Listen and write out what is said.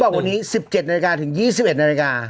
เค้าบอกวันนี้๑๗นาทีถึง๒๑นาที